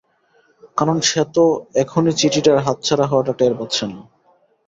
কারণ সে তো এখনই চিঠিটার হাতছাড়া হওয়াটা টের পাচ্ছে না।